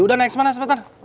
udah naik kemana sebentar